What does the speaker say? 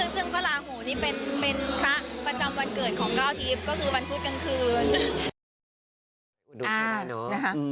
ซึ่งพระราหูนี่เป็นพระประจำวันเกิดของก้าวทิพย์ก็คือวันพุธกลางคืน